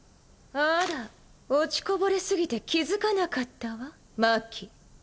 あら落ちこぼれすぎて気付かなかったわ真希。